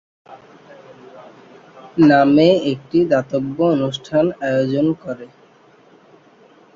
নামে একটি দাতব্য অনুষ্ঠান আয়োজন করে।